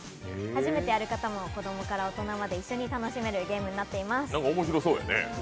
初めてやる方も、大人から子供まで一緒に楽しめるゲームになっています。